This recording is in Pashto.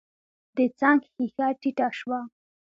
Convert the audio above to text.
د څنګ ښېښه ټيټه شوه.